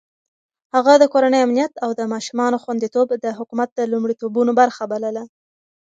هغه د کورنۍ امنيت او د ماشومانو خونديتوب د حکومت د لومړيتوبونو برخه بلله.